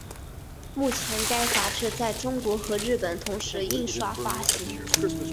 目前该杂志在中国和日本同时印刷发行。